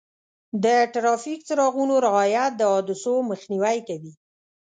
د ټرافیک څراغونو رعایت د حادثو مخنیوی کوي.